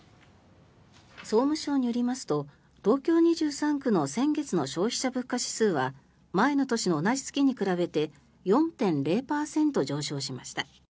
総務省によりますと東京２３区の先月の消費者物価指数は前の年の同じ月に比べて４．０％上昇しました。